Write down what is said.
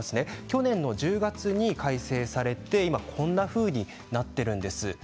去年の１０月に改正されて今こんなふうになっているんです。